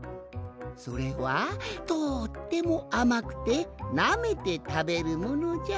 それはとってもあまくてなめてたべるものじゃ。